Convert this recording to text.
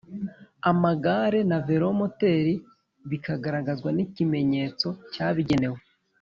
amagare na velomoteri bikagaragazwa n'ikimenyetso cyabigenewe.